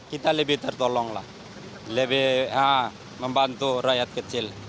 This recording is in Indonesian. kita lebih tertolong lah lebih membantu rakyat kecil